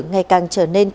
ngày càng trở nên nguy hiểm